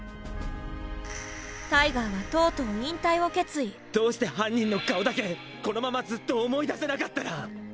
タイガーはとうとうどうして犯人の顔だけこのままずっと思い出せなかったら。